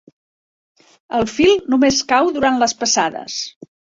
El fil només cau durant les passades.